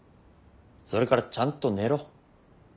それからちゃんと寝ろ。